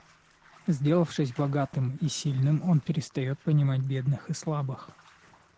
Сделавшись богатым и сильным, он перестает понимать бедных и слабых.